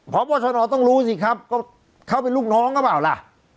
พบชนต้องรู้สิครับก็เขาเป็นลูกน้องหรือเปล่าล่ะ